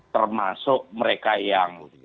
termasuk mereka yang